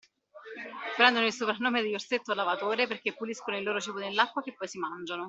Prendono il soprannome di “orsetto lavatore” perché puliscono il loro cibo nell’acqua che poi si mangiano.